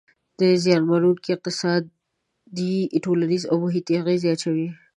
زیانمنووونکي اقتصادي، ټولنیز او محیطي اغیز اچوي.